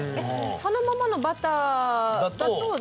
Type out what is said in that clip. そのままのバターだと？